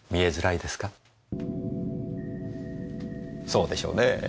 そうでしょうねぇ。